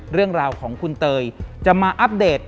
เรื่องราวของคุณเตยจะมาอัปเดต